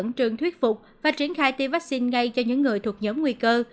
trường thuyết phục và triển khai tiêm vaccine ngay cho những người thuộc nhóm nguy cơ